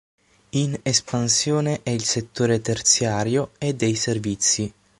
In espansione è il settore terziario e dei servizi.